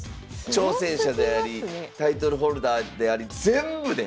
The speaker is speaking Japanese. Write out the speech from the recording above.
挑戦者でありタイトルホルダーであり全部ね。